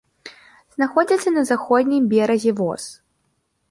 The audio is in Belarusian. Знаходзіцца на заходнім беразе воз.